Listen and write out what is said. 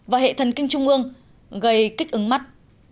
và hệ thần kinh trung ương gây kích ứng mắt